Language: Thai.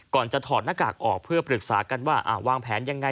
ก่อนจะถอดหน้ากากออกเพื่อปรึกษากันว่าวางแผนยังไง